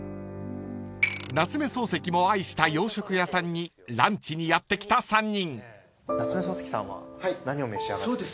［夏目漱石も愛した洋食屋さんにランチにやって来た３人］